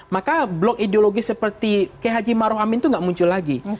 maka blok ideologis seperti k h maruf amin itu nggak muncul lagi